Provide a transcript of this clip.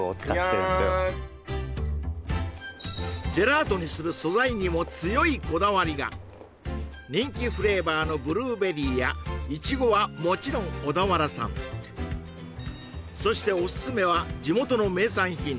いやんジェラートにする素材にも強いこだわりが人気フレーバーのブルーベリーやイチゴはもちろん小田原産そしてオススメは地元の名産品